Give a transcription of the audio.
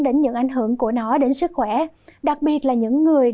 đến những ảnh hưởng của nó đến sức khỏe đặc biệt là những người